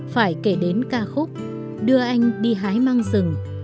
phải kể đến ca khúc đưa anh đi hái mang rừng